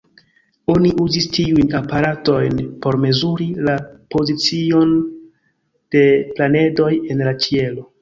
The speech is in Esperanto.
Oni uzis tiujn aparatojn por mezuri la pozicion de planedoj en la ĉielo.